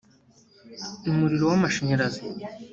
umuriro w’amashanyarazi